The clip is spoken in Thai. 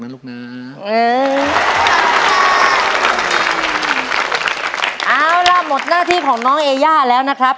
เอาล่ะหมดหน้าที่ของน้องเอย่าแล้วนะครับ